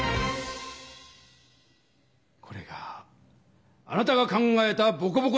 これがあなたが考えたボコボコ詐欺です！